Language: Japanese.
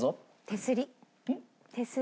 手すり？